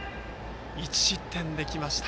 １失点で来ました。